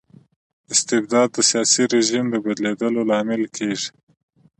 استبداد د سياسي رژيم د بدلیدو لامل کيږي.